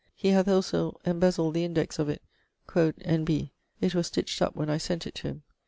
He hath also embezill'd the index of it quod N. B. It was stitch't up when I sent it to him.